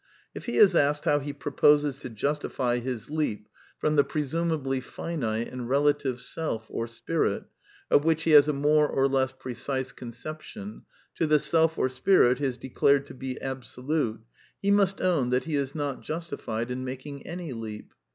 If he is asked how he proposes to justify his leap from S98 A DErENCE OF IDEALISM the presumably finite and relative self or spirit, of which he has a more or less precise conception, to the Self or Spirit he has declared to be absolute, he must own that he is not justified in making any leap.